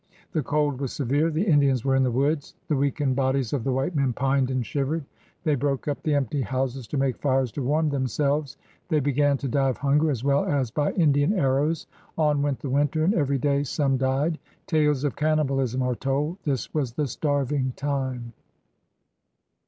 The cold was severe; the Indians were in the woods; the weakened bodies of the white men pined and shivered. They broke up the empty houses to make fires to warm themselves. They began to die of hunger as well as by Indian arrows. On went the winter, and every day some died. Tales of cannibalism are told. ••• This was the Starving Time.